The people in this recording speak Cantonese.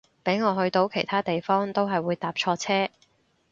俾我去到其他地方都係會搭錯車